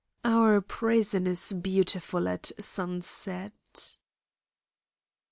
Our prison is beautiful at sunset.